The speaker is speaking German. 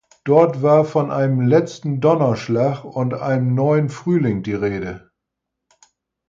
Dort war von einem „letzten Donnerschlag“ und einem neuen „Frühling“ die Rede.